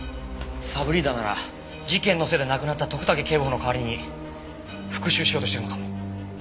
サブリーダーなら事件のせいで亡くなった徳武警部補の代わりに復讐しようとしてるのかも。